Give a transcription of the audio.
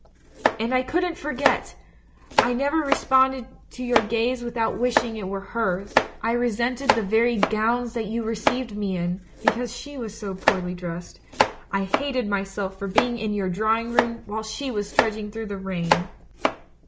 "And I couldn't forget! I never responded to your gaze without wishing it were hers. I re sented the very gowns that you received me in, because slie was poorly dressed. I hated myself for being in your drawing room while she was trudging through the rain.